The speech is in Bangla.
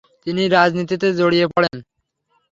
তিনি রাজনীতিতে জড়িয়ে পড়েন ।